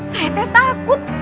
saya teh takut